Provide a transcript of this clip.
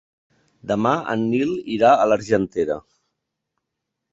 Demà en Nil irà a l'Argentera.